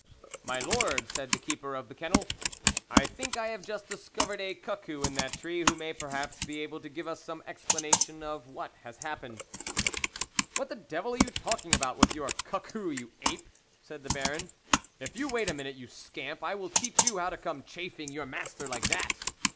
" My Lord," said the keeper of the kennel, " I think I have just discovered a cuckoo in that tree who may perhaps be able to give us some explanation of what has happened." " What the devil are you talking about, THE WOLF LEADER 21 with your cuckoo, you ape?" said the Baron. v " If you wait a moment, you scamp, I will teach you how to come chaffing your master like that